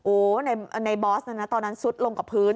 โอ้ในบอสนั้นนะตอนนั้นซุดลงกับพื้น